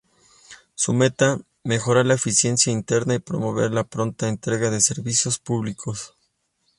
Su meta: "mejorar la eficiencia interna y promover la pronta entrega de servicios públicos".